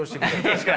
確かにね。